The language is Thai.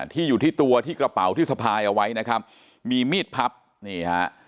ที่อยู่ที่ตัวที่กระเป๋าที่สะพายเอาไว้นะครับมีมีดพับนี่ฮะ